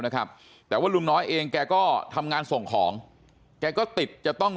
นะครับแต่ว่าลุงน้อยเองแกก็ทำงานส่งของแกก็ติดจะต้อง